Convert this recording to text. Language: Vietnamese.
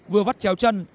vừa vắt chéo chân